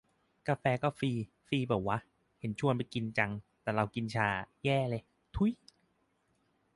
กาแฟก็ฟรี ฟรีปะวะ เห็นชวนไปกินจัง แต่เรากินชาอะ แย่เลย ถุย